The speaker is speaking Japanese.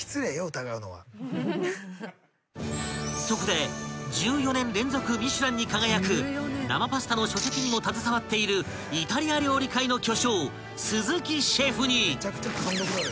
［そこで１４年連続ミシュランに輝く生パスタの書籍にも携わっているイタリア料理界の巨匠鈴木シェフに］